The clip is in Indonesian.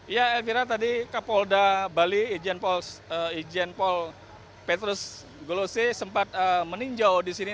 ya elvira tadi kapolda bali ijen paul petrus golose sempat meninjau di sini